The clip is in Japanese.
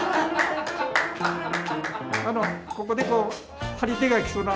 あのここでこう張り手が来そうな。